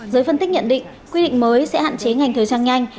giới phân tích nhận định quy định mới sẽ hạn chế ngành thời trang nhanh